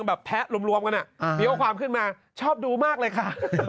แบบแพ้รวมเกิดออมความขึ้นมาชอบดูมากเลยค่ะ